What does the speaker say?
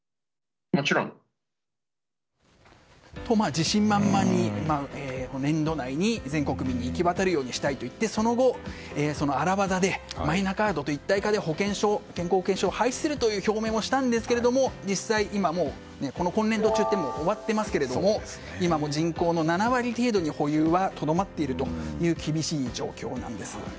自信満々に年度内に全国民にいきわたるようにしたいといってその後、荒業でマイナカードと一体化で健康保険証を廃止するという表明をしたんですが実際、今年度中って終わっていますが今も人口の７割程度に、保有はとどまっているという厳しい状況なんです。